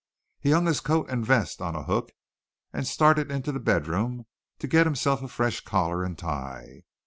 He hung his coat and vest on a hook and started into the bedroom to get himself a fresh collar and tie.